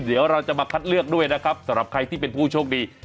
เดี๋ยวเราจะมาคัดเลือกด้วยนะครับสำหรับใครที่เป็นผู้โชคดี